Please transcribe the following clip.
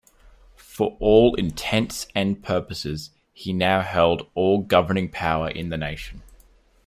For all intents and purposes, he now held all governing power in the nation.